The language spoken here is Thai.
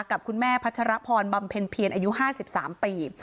กับคุณแม่พัชรพรบำเพ็ญเพียรอายุ๕๓ปี